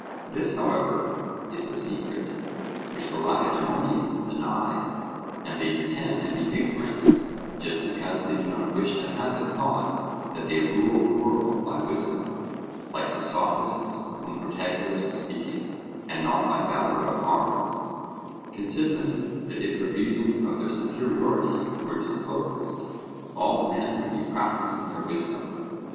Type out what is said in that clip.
This, however, is a secret which the Lacedaemonians deny; and they pretend to be ignorant, just because they do not wish to have it thought that they rule the world by wisdom, like the Sophists of whom Protagoras was speaking, and not by valour of arms; considering that if the reason of their superiority were disclosed, all men would be practising their wisdom.